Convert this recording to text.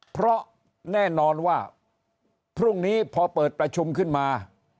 เพราะแน่นอนว่าพรุ่งนี้พอเปิดประชุมขึ้นมา